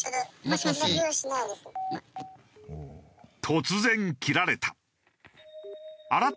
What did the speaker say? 突然切られた。